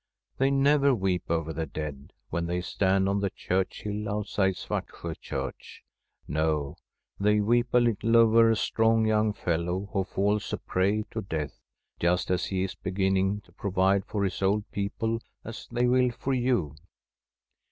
They neveh weep over the dead when they stand on the church hill outside Svartsjo Church. No, they weep as little over a strong young fellow who falls a prey to death just as he is beginning to provide for his old people as they will for you.